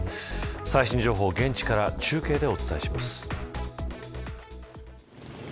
最新情報を現地から中継でお伝えします。